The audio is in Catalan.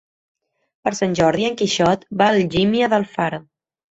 Per Sant Jordi en Quixot va a Algímia d'Alfara.